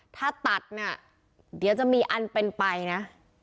ถ้าตัดเนี่ยเดี๋ยวจะมีอันเป็นไปนะ